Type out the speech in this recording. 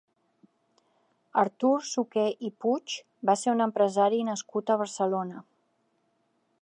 Artur Suqué i Puig va ser un empresari nascut a Barcelona.